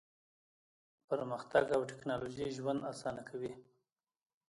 پرمختګ او ټیکنالوژي ژوند اسانه کوي.